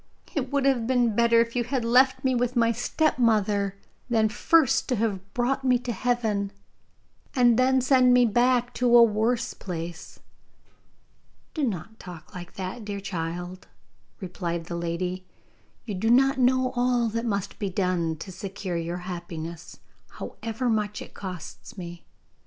It would have been better if you had left me with my stepmother, than first to have brought me to heaven and then send me back to a worse place.' 'Do not talk like that, dear child,' replied the lady; 'you do not know all that must be done to secure your happiness, however much it costs me.